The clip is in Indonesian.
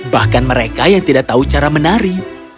bahkan mereka yang tidak tahu cara menari